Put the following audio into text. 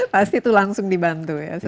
pasti itu langsung dibantu ya setelah itu